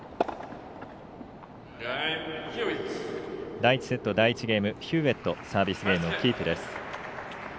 第１セット、第１ゲームヒューウェットがサービスゲームをキープです。